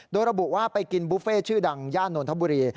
โดยระบุว่าไปกินบุฟเฟ่ชื่อดังย่านนทบุรี